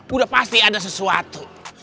udah pasti ada sesuatu